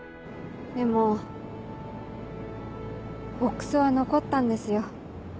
でもボックスは残ったんですよ。